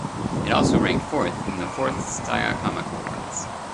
It also ranked fourth in the fourth Tsutaya Comic awards.